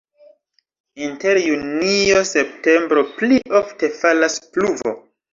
Inter junio-septembro pli ofte falas pluvo.